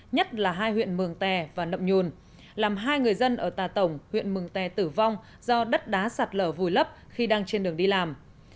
nhất là hai huyện mường tè và nậm nhùn làm hai người dân ở tà tổng huyện mừng tè tử vong do đất đá sạt lở vùi lấp khi đang trên đường đi làm